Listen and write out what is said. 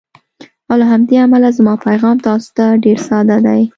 او له همدې امله زما پیغام تاسو ته ډېر ساده دی: